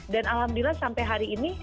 dan alhamdulillah sampai hari ini